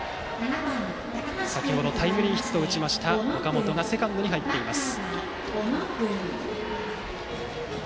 先程タイムリーヒットを打った岡本がセカンドに入っています。